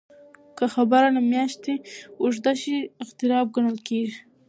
که خبره له میاشتې اوږده شي، اضطراب ګڼل کېږي.